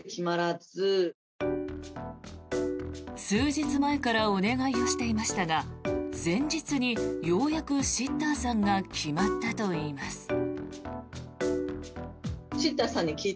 数日前からお願いをしていましたが前日にようやくシッターさんが決まったといいます。